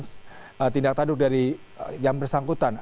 pemantauan tindak taduk dari jam bersangkutan